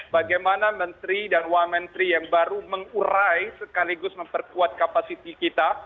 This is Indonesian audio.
bagaimana menteri dan wamentri yang baru mengurai sekaligus memperkuat kapasiti kita